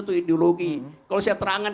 itu ideologi kalau saya terangkan